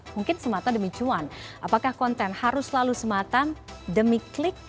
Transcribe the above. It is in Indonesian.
mungkin semata demi cuan apakah konten harus selalu semata demi klik